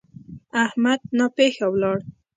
احمد ناپېښه ولاړ.